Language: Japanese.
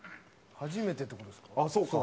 初めてって事ですか？